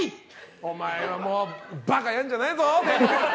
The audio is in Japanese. お前はもう馬鹿やんじゃねえぞ！